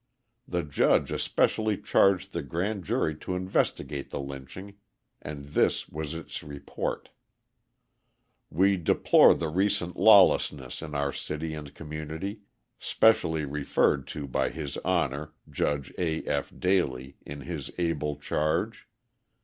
The judge especially charged the grand jury to investigate the lynching, and this was its report: "We deplore the recent lawlessness in our city and community, specially referred to by his Honour, Judge A. F. Daley, in his able charge.